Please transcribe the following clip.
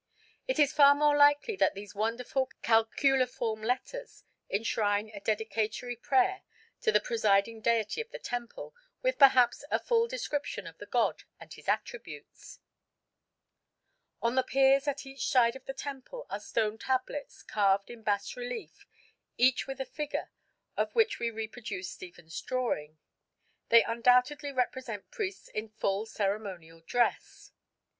It is far more likely that these wonderful calculiform letters enshrine a dedicatory prayer to the presiding deity of the temple, with perhaps a full description of the god and his attributes. [Illustration: BAS RELIEF ON PIER OF TEMPLE, PALENQUE.] On the piers at each side of the temple are stone tablets carved in bas relief each with a figure, of which we reproduce Stephens's drawing. They undoubtedly represent priests in full ceremonial dress.